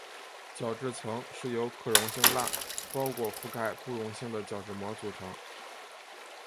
角质层是由可溶性蜡包裹覆盖不溶性的角质膜组成。